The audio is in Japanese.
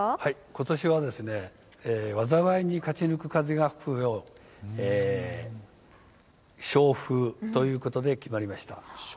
ことしは災いに勝ち抜く風が吹くよう勝風ということで決まりました。